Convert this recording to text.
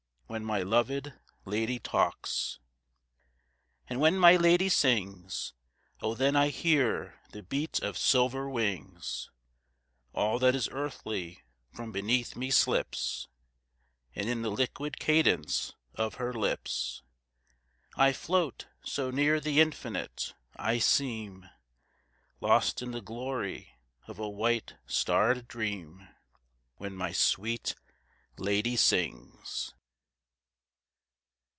When my loved lady talks. And when my lady sings, Oh then I hear the beat of silver wings; All that is earthly from beneath me slips, And in the liquid cadence of her lips I float, so near the Infinite, I seem Lost in the glory of a white starred dream. When my sweet lady sings.